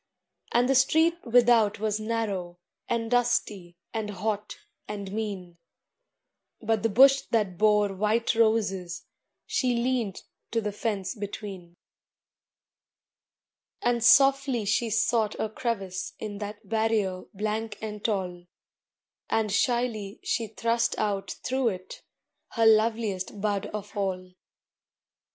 And the street without was narrow, And dusty, and hot, and mean; But the bush that bore white roses, She leaned to the fence between: And softly she sought a crevice In that barrier blank and tall, And shyly she thrust out through it Her loveliest bud of all.